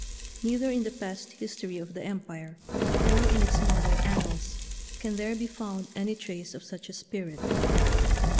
Nei ther in the past history of the Empire nor in its modern annals can there be found any trace of such a spirit.